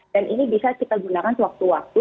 dan ini bisa kita gunakan sewaktu waktu